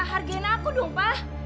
hargain aku dong pak